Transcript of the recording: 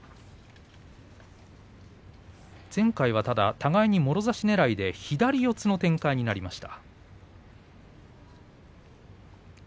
前回は互いにもろ差しねらいで左四つの展開になりました。